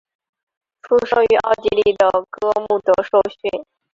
出生于奥地利的哥穆德受训。